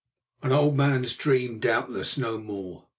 An old man's dream, doubtless, no more.